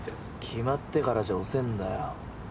決まってからじゃ遅ぇんだよ。